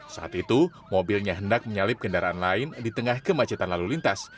saat itu mobilnya hendak menyalip kendaraan lain di tengah kemacetan lalu lintas